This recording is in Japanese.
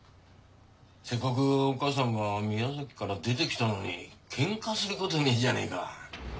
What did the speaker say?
せっかくお母さんが宮崎から出てきたのにケンカすることねえじゃねえか。